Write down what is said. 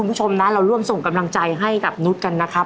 คุณผู้ชมนะเราร่วมส่งกำลังใจให้กับนุษย์กันนะครับ